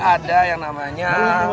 ada yang namanya